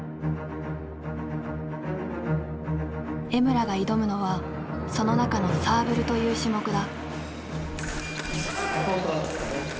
江村が挑むのはその中の「サーブル」という種目だ。